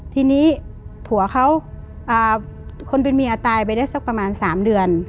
ทีนี้ผัวเขาคนเป็นเมียตายไปได้สักประมาณ๓เดือน